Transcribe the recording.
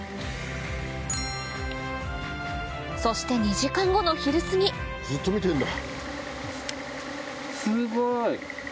そして２時間後の昼すぎずっと見てんだ。